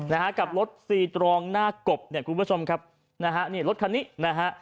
นะฮะกับรถซีตรองหน้ากบเนี่ยคุณผู้ชมครับนะฮะนี่รถคันนี้นะฮะ